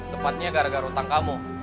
tepatnya gara gara hutang kamu